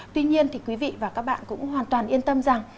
tuy nhiên thì quý vị và các bạn cũng hoàn toàn yên tâm rằng